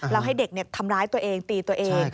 แล้วให้เด็กทำร้ายตัวเองตีตัวเอง